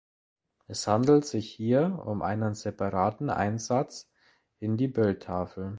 Es handelt sich hier um einen separaten Einsatz in die Bildtafel.